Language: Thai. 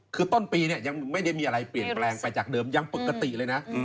คือต้นปีเนี่ยยังไม่ได้มีอะไรเปลี่ยนแปลงไปจากเดิมยังปกติเลยนะ